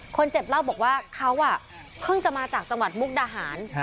คนเจ็บเล่าบอกว่าเขาเพิ่งจะมาจากจังหวัดมุกดาหาร